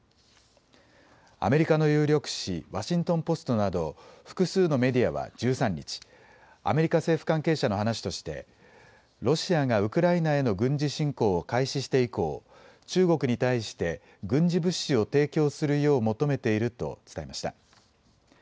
アメリカの有力紙、ワシントン・ポストなど複数のメディアは１３日、アメリカ政府関係者の話としてロシアがウクライナへの軍事侵攻を開始して以降、中国に対して軍事物資を提供するよう求めていると伝えました。